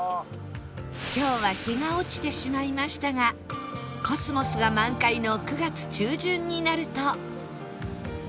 今日は日が落ちてしまいましたがコスモスが満開の９月中旬になると